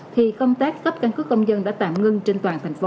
thì công tác cấp căn cứ công dân đã tạm ngưng trên toàn thành phố